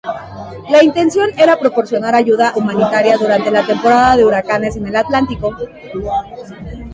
La intención era proporcionar ayuda humanitaria durante la temporada de huracanes en el Atlántico.